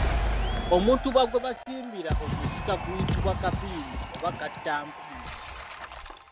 Omutuba gwe basimbira omusika guyitibwa kampindi oba kattampindi.